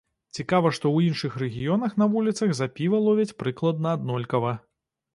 Цікава, што ў іншых рэгіёнах на вуліцах за піва ловяць прыкладна аднолькава.